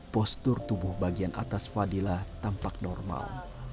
postur tubuh bagian atas fadila tampak normal